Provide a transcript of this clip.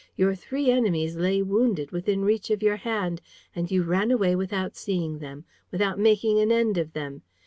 Your three enemies lay wounded, within reach of your hand, and you ran away without seeing them, without making an end of them!